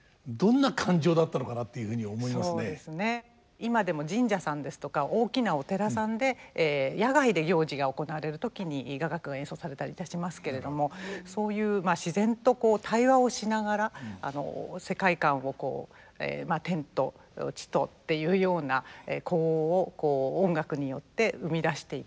今でも神社さんですとか大きなお寺さんで野外で行事が行われる時に雅楽が演奏されたりいたしますけれどもそういう自然とこう対話をしながら世界観をこうまあ天と地とっていうような呼応を音楽によって生み出していく。